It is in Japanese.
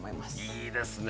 いいですね。